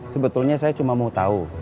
sebetulnya saya cuma mau tahu